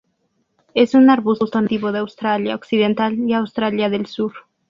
Es un arbusto nativo de Australia Occidental y Australia del Sur.